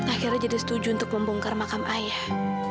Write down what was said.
akhirnya jadi setuju untuk membongkar makam ayah